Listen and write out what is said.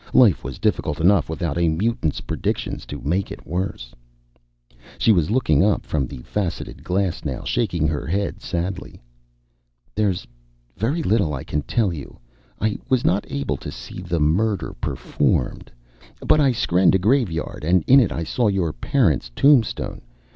Life was difficult enough without a mutant's predictions to make it worse. She was looking up from the faceted glass now, shaking her head sadly. "There's very little I can tell you. I was not able to see the murder performed. But I skrenned a graveyard, and in it I saw your parents' tombstone.